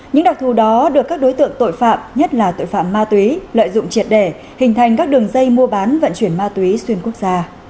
những đặc thù đó được các đối tượng tội phạm nhất là tội phạm ma túy lợi dụng triệt đẻ hình thành các đường dây mua bán vận chuyển ma túy xuyên quốc gia